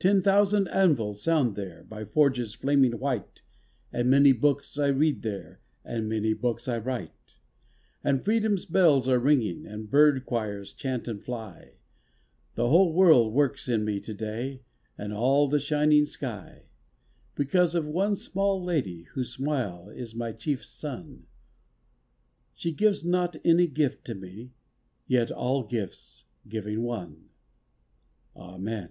Ten thousand anvils sound there By forges flaming white, And many books I read there, And many books I write; And freedom's bells are ringing, And bird choirs chant and fly The whole world works in me to day And all the shining sky, Because of one small lady Whose smile is my chief sun. She gives not any gift to me Yet all gifts, giving one.... Amen.